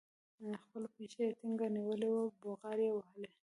خپله پښه يې ټينګه نيولې وه بوغارې يې وهلې.